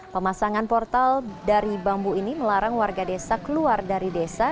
pemasangan portal dari bambu ini melarang warga desa keluar dari desa